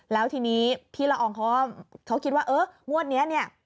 แล้วทีนี้พี่ละอองเขาคิดว่าเอองวดนี้เนี่ย